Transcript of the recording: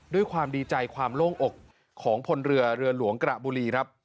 ด้วยความดีใจความโล่งอกของพลเรือเรือหลวงกระบุรีครับ